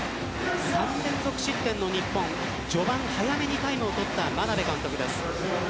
３連続失点の日本序盤早めにタイムを取った眞鍋監督です。